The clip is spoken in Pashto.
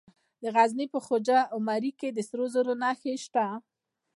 د غزني په خواجه عمري کې د سرو زرو نښې شته.